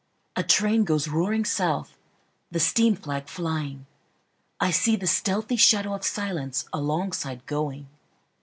A train goes roaring south, The steam flag flying;I see the stealthy shadow of silenceAlongside going.